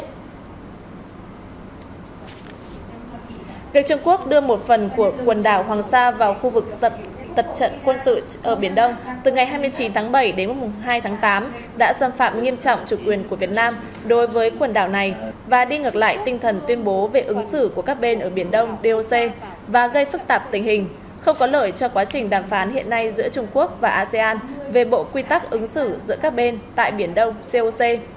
trung quốc đưa một phần của quần đảo hoàng sa vào khu vực tập trận quân sự ở biển đông từ ngày hai mươi chín tháng bảy đến mùng hai tháng tám đã xâm phạm nghiêm trọng chủ quyền của việt nam đối với quần đảo này và đi ngược lại tinh thần tuyên bố về ứng xử của các bên ở biển đông doc và gây phức tạp tình hình không có lợi cho quá trình đàm phán hiện nay giữa trung quốc và asean về bộ quy tắc ứng xử giữa các bên tại biển đông coc